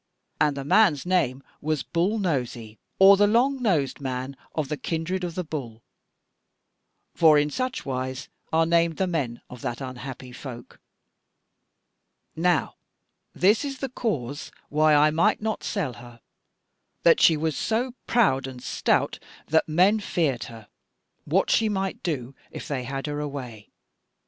And the man's name was Bull Nosy, or the longnosed man of the kindred of the Bull, for in such wise are named the men of that unhappy folk. Now this was the cause why I might not sell her, that she was so proud and stout that men feared her, what she might do if they had her away.